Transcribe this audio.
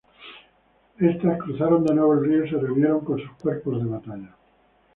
Estas cruzaron de nuevo el río y se reunieron con sus cuerpos de batalla.